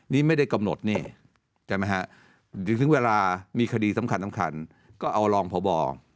นี่ไม่ได้กำหนดนี่ใช่ไหมฮะถึงเวลามีคดีสำคัญก็เอารองพบ